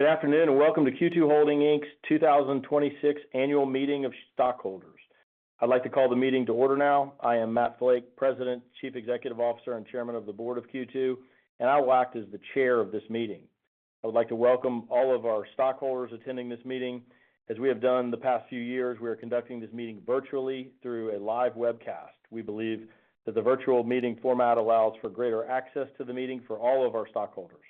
Good afternoon, and welcome to Q2 Holdings, Inc's 2026 annual meeting of stockholders. I'd like to call the meeting to order now. I am Matt Flake, President, Chief Executive Officer, and Chairman of the Board of Q2, and I will act as the chair of this meeting. I would like to welcome all of our stockholders attending this meeting. As we have done the past few years, we are conducting this meeting virtually through a live webcast. We believe that the virtual meeting format allows for greater access to the meeting for all of our stockholders.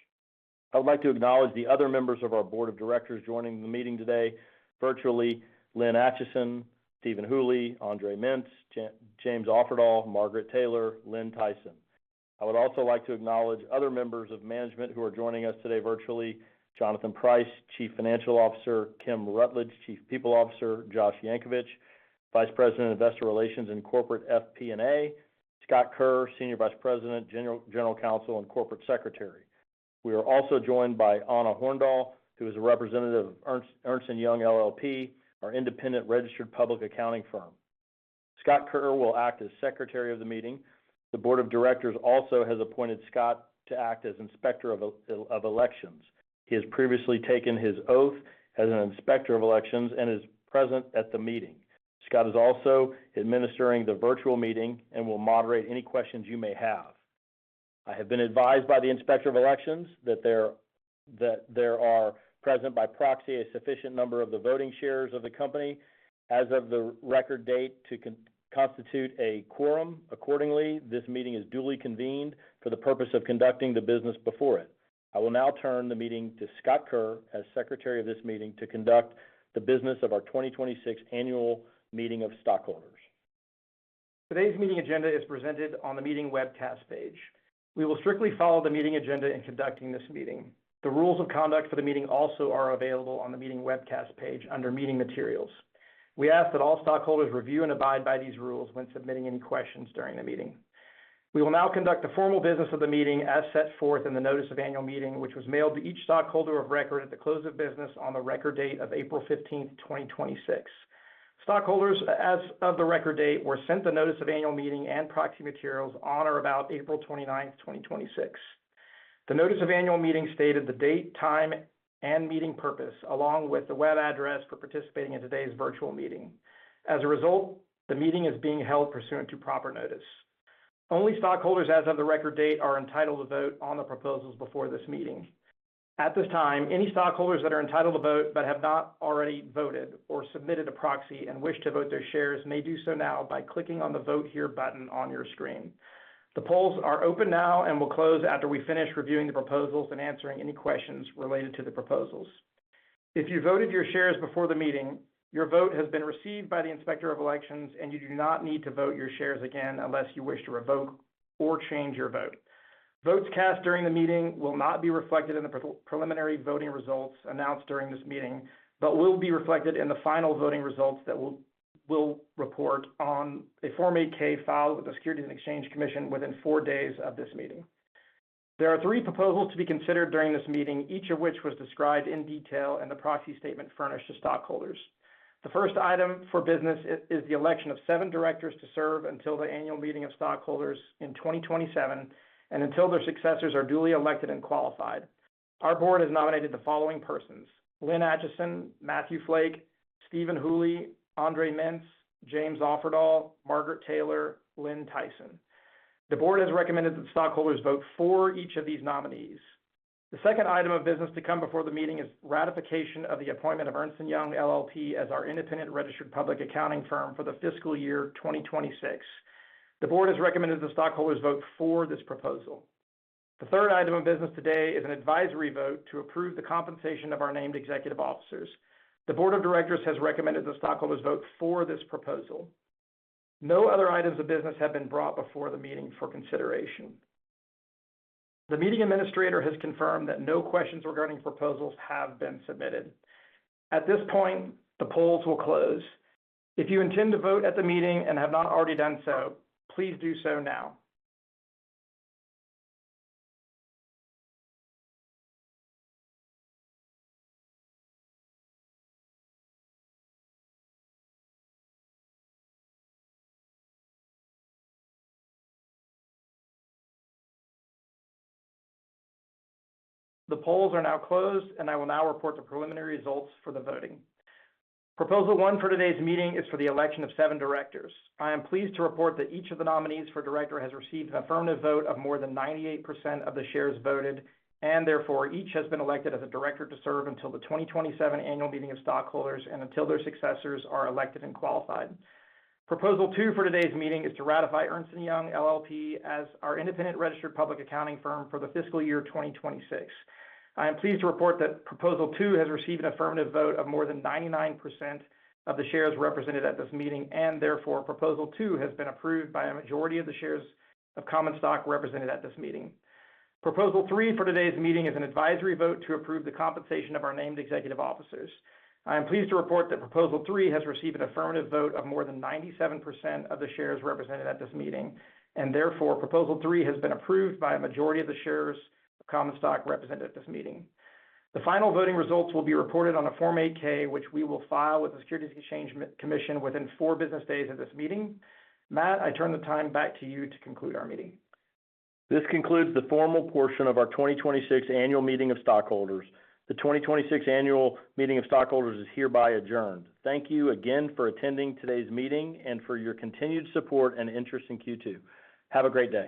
I would like to acknowledge the other members of our board of directors joining the meeting today virtually, Lynn Atchison, Stephen Hooley, Andre Mintz, James Offerdahl, Margaret Taylor, Lynn Tyson. I would also like to acknowledge other members of management who are joining us today virtually, Jonathan Price, Chief Financial Officer, Kim Rutledge, Chief People Officer, Josh Yankovich, Vice President, Investor Relations and Corporate FP&A, Scott Kerr, Senior Vice President, General Counsel, and Corporate Secretary. We are also joined by Anna Horndahl, who is a representative of Ernst & Young LLP, our independent registered public accounting firm. Scott Kerr will act as secretary of the meeting. The board of directors also has appointed Scott to act as Inspector of Elections. He has previously taken his oath as an Inspector of Elections and is present at the meeting. Scott is also administering the virtual meeting and will moderate any questions you may have. I have been advised by the Inspector of Elections that there are present by proxy a sufficient number of the voting shares of the company as of the record date to constitute a quorum. Accordingly, this meeting is duly convened for the purpose of conducting the business before it. I will now turn the meeting to Scott Kerr as secretary of this meeting to conduct the business of our 2026 annual meeting of stockholders. Today's meeting agenda is presented on the meeting webcast page. We will strictly follow the meeting agenda in conducting this meeting. The rules of conduct for the meeting also are available on the meeting webcast page under Meeting Materials. We ask that all stockholders review and abide by these rules when submitting any questions during the meeting. We will now conduct the formal business of the meeting as set forth in the notice of annual meeting, which was mailed to each stockholder of record at the close of business on the record date of April 15th, 2026. Stockholders, as of the record date, were sent the notice of annual meeting and proxy materials on or about April 29th, 2026. The notice of annual meeting stated the date, time, and meeting purpose, along with the web address for participating in today's virtual meeting. As a result, the meeting is being held pursuant to proper notice. Only stockholders as of the record date are entitled to vote on the proposals before this meeting. At this time, any stockholders that are entitled to vote but have not already voted or submitted a proxy and wish to vote their shares may do so now by clicking on the Vote Here button on your screen. The polls are open now and will close after we finish reviewing the proposals and answering any questions related to the proposals. If you voted your shares before the meeting, your vote has been received by the Inspector of Elections, and you do not need to vote your shares again unless you wish to revoke or change your vote. Votes cast during the meeting will not be reflected in the preliminary voting results announced during this meeting, but will be reflected in the final voting results that we'll report on a Form 8-K filed with the Securities and Exchange Commission within four days of this meeting. There are three proposals to be considered during this meeting, each of which was described in detail in the proxy statement furnished to stockholders. The first item for business is the election of seven directors to serve until the annual meeting of stockholders in 2027 and until their successors are duly elected and qualified. Our board has nominated the following persons: Lynn Atchison, Matthew Flake, Steven Hooley, Andre Mintz, James Offerdahl, Margaret Taylor, Lynn Tyson. The board has recommended that stockholders vote for each of these nominees. The second item of business to come before the meeting is ratification of the appointment of Ernst & Young LLP as our independent registered public accounting firm for the fiscal year 2026. The board has recommended the stockholders vote for this proposal. The third item of business today is an advisory vote to approve the compensation of our named executive officers. The board of directors has recommended the stockholders vote for this proposal. No other items of business have been brought before the meeting for consideration. The meeting administrator has confirmed that no questions regarding proposals have been submitted. At this point, the polls will close. If you intend to vote at the meeting and have not already done so, please do so now. The polls are now closed. I will now report the preliminary results for the voting. Proposal one for today's meeting is for the election of seven directors. I am pleased to report that each of the nominees for director has received an affirmative vote of more than 98% of the shares voted. Therefore, each has been elected as a director to serve until the 2027 annual meeting of stockholders and until their successors are elected and qualified. Proposal two for today's meeting is to ratify Ernst & Young LLP as our independent registered public accounting firm for the fiscal year 2026. I am pleased to report that proposal two has received an affirmative vote of more than 99% of the shares represented at this meeting. Therefore, proposal two has been approved by a majority of the shares of common stock represented at this meeting. Proposal three for today's meeting is an advisory vote to approve the compensation of our named executive officers. I am pleased to report that proposal three has received an affirmative vote of more than 97% of the shares represented at this meeting, and therefore, proposal three has been approved by a majority of the shares of common stock represented at this meeting. The final voting results will be reported on a Form 8-K, which we will file with the Securities and Exchange Commission within four business days of this meeting. Matt, I turn the time back to you to conclude our meeting. This concludes the formal portion of our 2026 annual meeting of stockholders. The 2026 annual meeting of stockholders is hereby adjourned. Thank you again for attending today's meeting and for your continued support and interest in Q2. Have a great day